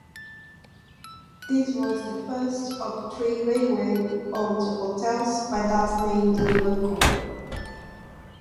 This was the first of three railway-owned hotels by that name in Vancouver.